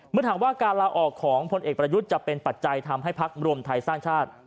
เมื่อถามว่าการลาออกของพลเอกประยุทธ์จะเป็นปัจจัยทำให้พักรวมไทยสร้างชาติ